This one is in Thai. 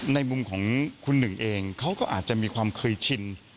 ในมุมของคุณหนึ่งเองเขาก็อาจจะมีความเคยชิน